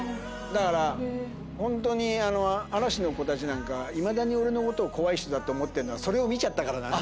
だからホントに嵐の子たちなんかいまだに俺のことを怖い人だと思ってるのはそれを見ちゃったから。